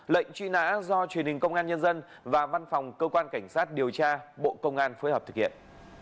lệnh truy nã do truyền hình công an nhân dân và văn phòng cơ quan cảnh sát điều tra bộ công an phối hợp thực hiện